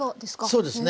そうですね。